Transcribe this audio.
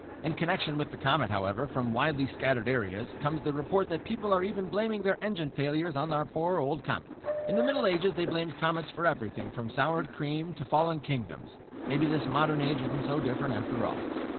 "In connection with the comet, however, from widely scattered areas comes the report that people are even blaming these engine failures on our poor, old comet. In the Middle Ages they blamed comets for everything from soured cream to fallen kingdoms. Maybe this modern age isn't so different, after all.